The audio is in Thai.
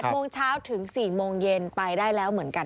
โมงเช้าถึง๔โมงเย็นไปได้แล้วเหมือนกัน